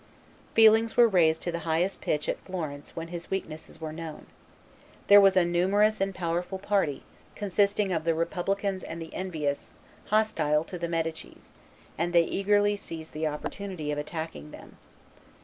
Feelings were raised to the highest pitch at Florence when his weaknesses were known. There was a numerous and powerful party, consisting of the republicans and the envious, hostile to the Medicis; and they eagerly seized the opportunity of attacking them.